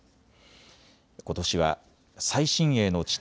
ことしは最新鋭の地